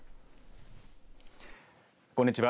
こんにちは。